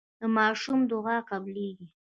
د ماشوم دعا قبليږي.